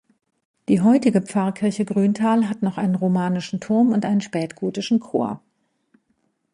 Die heutige Pfarrkirche Grüntal hat noch einen romanischen Turm und einen spätgotischen Chor.